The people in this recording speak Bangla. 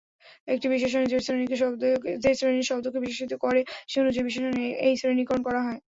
একটি বিশেষণ যে শ্রেণীর শব্দকে বিশেষিত করে সে অনুযায়ী বিশেষণের এই শ্রেণীকরণ করা হয়।